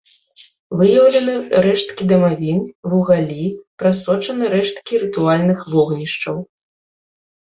Выяўлены рэшткі дамавін, вугалі, прасочаны рэшткі рытуальных вогнішчаў.